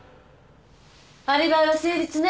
アリバイは成立ね。